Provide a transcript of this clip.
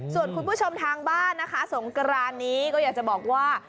ส่วนคุณผู้ชมทางบ้านนะคะสงกรานนี้ก็อยากจะบอกว่า